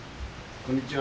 こんにちは。